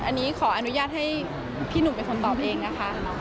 อันนี้ขออนุญาตให้พี่หนุ่มเป็นคนตอบเองนะคะ